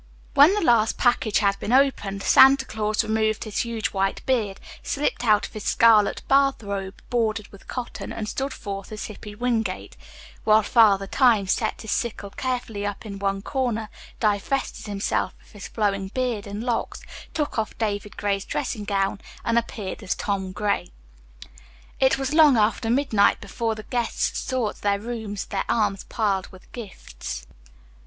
When the last package had been opened, Santa Claus removed his huge white beard, slipped out of his scarlet bath robe bordered with cotton and stood forth as Hippy Wingate; while Father Time set his sickle carefully up in one corner, divested himself of his flowing beard and locks, took off David's gray dressing gown and appeared as Tom Gray. It was long after midnight before the guests sought their rooms, their arms piled with gifts.